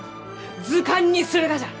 図鑑にするがじゃ！